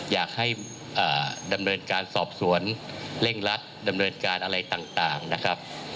อยากให้ดำเนินการสอบสวนเร่งรัดดำเนินการอะไรต่างนะครับ